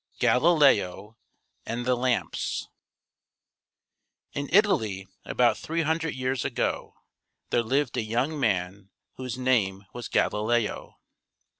GALILEO AND THE LAMPS In Italy about three hundred years ago there lived a young man whose name was Galileo.